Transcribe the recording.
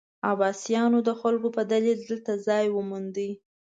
عباسیانو د خلکو په دلیل دلته ځای وموند.